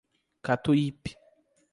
Catuípe